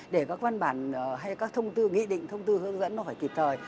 để các văn bản hay các thông tư nghị định thông tư hướng dẫn nó phải kịp thời